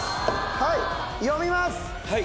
はい読みます・